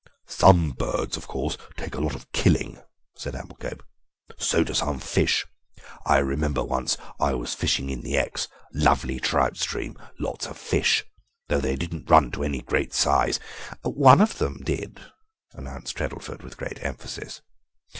"Some birds, of course, take a lot of killing," said Amblecope; "so do some fish. I remember once I was fishing in the Exe, lovely trout stream, lots of fish, though they don't run to any great size—" "One of them did," announced Treddleford, with emphasis.